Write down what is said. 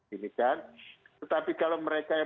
ini kan tetapi kalau mereka yang